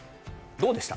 どうでした？